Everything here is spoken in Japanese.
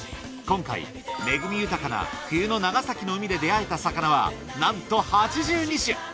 今回恵み豊かな冬の長崎の海で出会えた魚はなんと８２種！